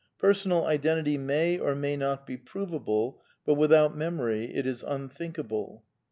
Personal identity may or may not be provable, but without memory it is unthinkable.